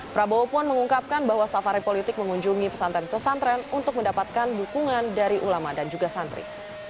prabowo pun mengungkapkan bahwa safari politik mengunjungi pesantren pesantren untuk mendapatkan dukungan dari ulama dan juga santri